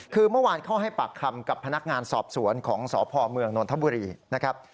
คือเมื่อวานเข้าให้ปากคำกับพนักงานสอบสวนของสพเมืองนนทบุรีนะครับ